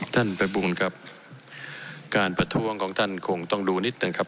ท่านภัยบูลครับการประท้วงของท่านคงต้องดูนิดหนึ่งครับ